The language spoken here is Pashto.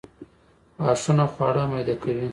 غاښونه خواړه میده کوي